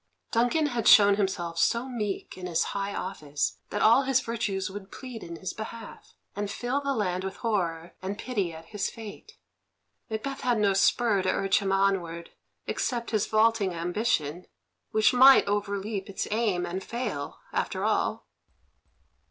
Duncan had shown himself so meek in his high office that all his virtues would plead in his behalf, and fill the land with horror and pity at his fate. Macbeth had no spur to urge him onward except his vaulting ambition, which might overleap its aim and fail, after all.